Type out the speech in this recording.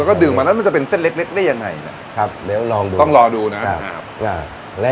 แล้วก็ดื่มมาแล้วมันจะเป็นเส้นเล็กได้ยังไงนะครับเดี๋ยวลองดูต้องรอดูนะครับ